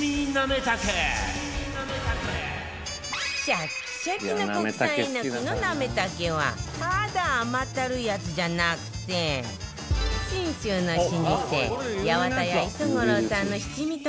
シャキシャキの国産えのきのなめ茸はただ甘ったるいやつじゃなくて信州の老舗八幡屋礒五郎さんの七味唐